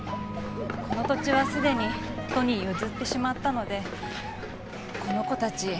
この土地はすでに都に譲ってしまったのでこの子たち